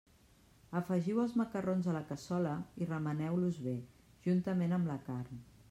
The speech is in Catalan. Afegiu els macarrons a la cassola i remeneu-los bé, juntament amb la carn.